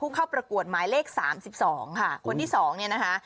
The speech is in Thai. เข้าประกวดหมายเลข๓๒ค่ะคนที่สองเนี่ยนะคะ